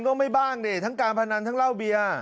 ต้องมีบ้างค์เลยทั้งการพนันทั้งเล่าเบีย